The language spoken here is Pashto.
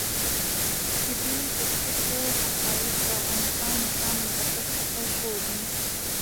د دې حقوقو احقاق د افغانستان نظام له خطر څخه ژغوري.